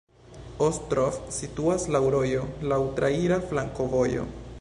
Ostrov situas laŭ rojo, laŭ traira flankovojo.